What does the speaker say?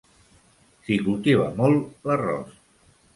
S'hi cultiva molt l'arròs.